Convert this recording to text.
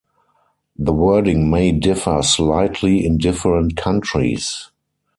The wording may differ slightly in different countries.